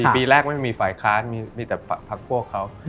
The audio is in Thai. ปีแรกไม่มีฝ่ายค้านมีแต่พักพวกเขา